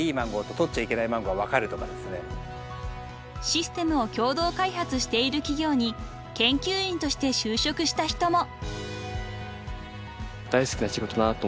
［システムを共同開発している企業に研究員として就職した人も］